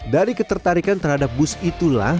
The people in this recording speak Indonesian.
dari ketertarikan terhadap bus itulah